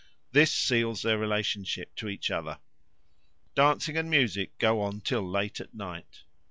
This seals their relationship to each other. Dancing and music go on till late at night.